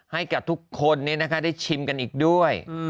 ให้กับทุกคนนี้นะคะได้ชิมกันอีกด้วย